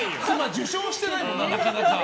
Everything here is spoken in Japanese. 受賞してないもんな、なかなか。